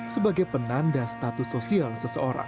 sebagai penanda status sosial seseorang